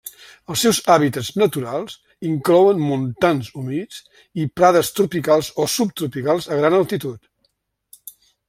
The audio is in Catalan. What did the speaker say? Els seus hàbitats naturals inclouen montans humits i prades tropicals o subtropicals a gran altitud.